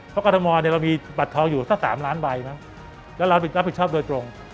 เพราะกรทมเนี่ยเรามีบัตรทองอยู่สัก๓ล้านใบมั้งแล้วเรารับผิดชอบโดยตรง